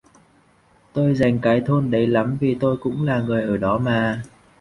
Tôi rành cái thôn đấy lắm vì tôi cũng là người ở đó mà